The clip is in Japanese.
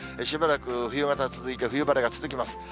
しばらく冬型続いて、冬晴れが続きます。